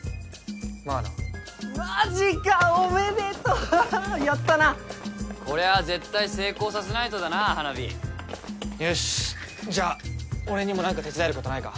まあなマジかおめでとうやったなこれは絶対成功させないとだな花火よしじゃあ俺にもなんか手伝えることないか？